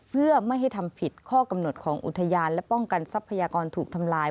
เพื่อไม่ให้ทำผิดข้อกำหนดของอุทยานและป้องกันทรัพยากรถูกทำลาย